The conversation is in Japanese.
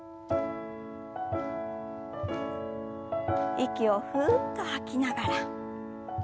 息をふっと吐きながら。